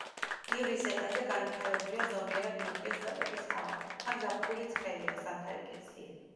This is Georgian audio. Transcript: ივრის ზეგანზე განვითარებულია ზომიერად ნოტიო სტეპების ჰავა, აქ ზაფხული ცხელია, ზამთარი კი ცივი.